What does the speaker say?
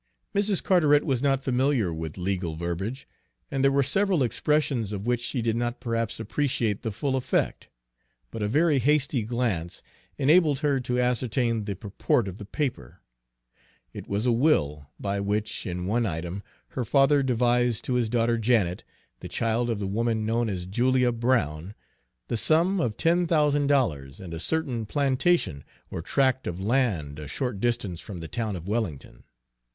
Mrs. Carteret was not familiar with legal verbiage, and there were several expressions of which she did not perhaps appreciate the full effect; but a very hasty glance enabled her to ascertain the purport of the paper. It was a will, by which, in one item, her father devised to his daughter Janet, the child of the woman known as Julia Brown, the sum of ten thousand dollars, and a certain plantation or tract of land a short distance from the town of Wellington.